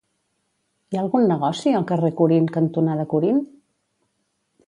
Hi ha algun negoci al carrer Corint cantonada Corint?